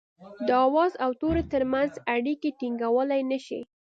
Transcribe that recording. د آواز او توري ترمنځ اړيکي ټيڼګولای نه شي